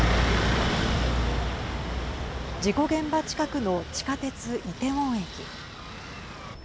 事故現場近くの地下鉄イテウォン駅。